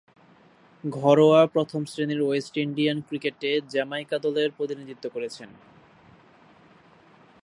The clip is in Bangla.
ঘরোয়া প্রথম-শ্রেণীর ওয়েস্ট ইন্ডিয়ান ক্রিকেটে জ্যামাইকা দলের প্রতিনিধিত্ব করছেন।